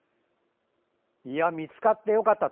見つかってよかった。